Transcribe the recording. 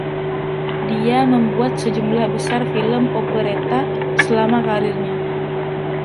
Dia membuat sejumlah besar film Operetta selama kariernya.